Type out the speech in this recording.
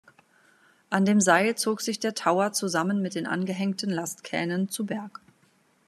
An dem Seil zog sich der Tauer zusammen mit den angehängten Lastkähnen zu Berg.